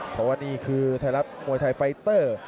เพราะว่านี่คือไทยรัฐมวยไทยไฟเตอร์